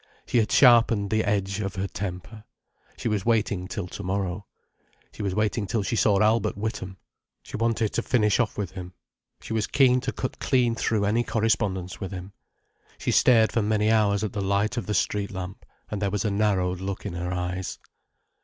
She had sharpened the edge of her temper. She was waiting till tomorrow. She was waiting till she saw Albert Witham. She wanted to finish off with him. She was keen to cut clean through any correspondence with him. She stared for many hours at the light of the street lamp, and there was a narrowed look in her eyes.